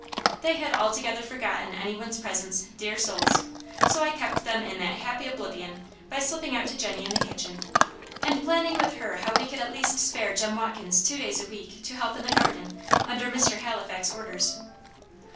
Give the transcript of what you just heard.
They had altogether forgotten any one's presence, dear souls! so I kept them in that happy oblivion by slipping out to Jenny in the kitchen, and planning with her how we could at least spare Jem Watkins two days a week to help in the garden, under Mr. Halifax's orders.